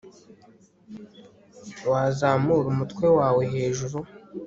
Wazamura umutwe wawe hejuru